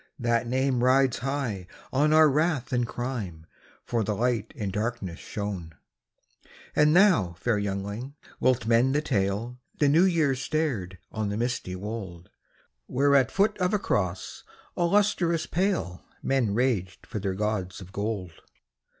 " That name rides high on our wrath and crime, For the Light in darkness shone. " And thou, fair youngling, wilt mend the tale? " The New Year stared on the misty wold, Where at foot of a cross all lustrous pale Men raged for their gods of gold.